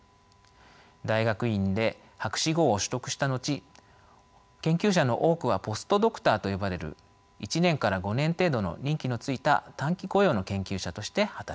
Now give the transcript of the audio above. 大学院で博士号を取得した後研究者の多くはポストドクターと呼ばれる１年から５年程度の任期のついた短期雇用の研究者として働きます。